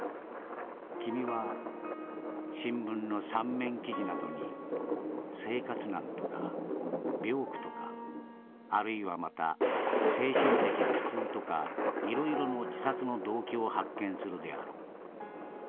君は新聞の三面記事などに生活難とか病苦とかあるいはまた精神的苦痛とかいろいろの自殺の動機を発見するであろう。